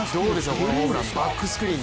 このホームラン、バックスクリーン。